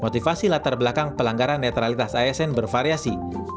motivasi latar belakang pelanggaran netralitas asn bervariasi